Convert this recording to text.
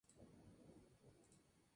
El montaje del cuchillo es muy simple.